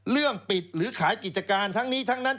เรื่องปิดหรือขายกิจการทั้งนี้ทั้งนั้น